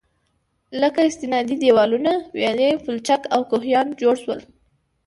لكه: استنادي دېوالونه، ويالې، پولچك او كوهيان جوړ شول.